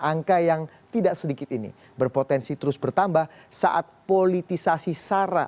angka yang tidak sedikit ini berpotensi terus bertambah saat politisasi sara